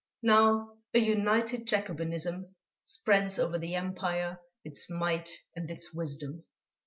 Now a united Jacobinism spreads over the empire its might and its wisdom...."